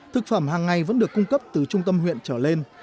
thực phẩm hàng ngày vẫn được cung cấp từ trung tâm huyện trở lên